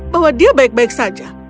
bahwa dia baik baik saja